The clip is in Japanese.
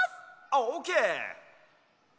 オーケー！